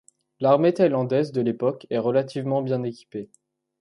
L'armée thaïlandaise de l'époque est relativement bien équipée.